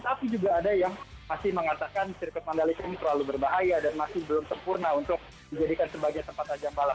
tapi juga ada yang masih mengatakan sirkuit mandalika ini terlalu berbahaya dan masih belum sempurna untuk dijadikan sebagai tempat ajang balap